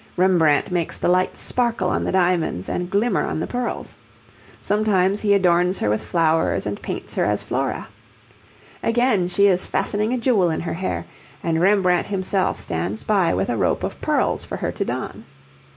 Rembrandt makes the light sparkle on the diamonds and glimmer on the pearls. Sometimes he adorns her with flowers and paints her as Flora. Again, she is fastening a jewel in her hair, and Rembrandt himself stands by with a rope of pearls for her to don.